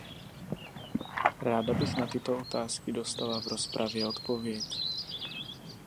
Ráda bych na tyto otázky dostala v rozpravě odpověď.